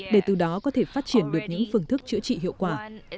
để từ đó có thể phát triển được những phương thức chữa trị hiệu quả